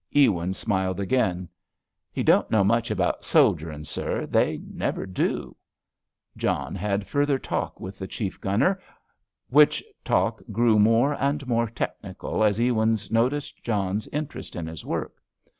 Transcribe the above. Ewins smiled again. "He don't know much about soldiering, sir; they never do." John had further talk with the chief gunner, which talk grew more and more technical as Ewins noticed John's interest in his work.